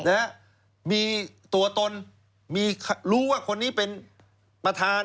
นะฮะมีตัวตนมีรู้ว่าคนนี้เป็นประธาน